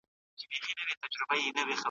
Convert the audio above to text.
پښتو ژبه زموږ د پلرونو او نیکونو نښه ده.